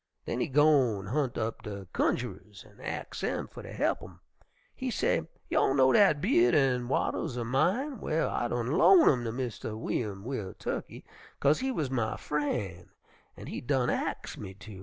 Den he go an' hunt up de cunjerers an' ax 'em fer ter he'p him. He say, 'Y'all know dat by'ud an' wattles er mine? Well, I done loan 'em to Mistah Wi'yum Wil' tukkey, 'kase he wuz my fren' an' he done ax me to.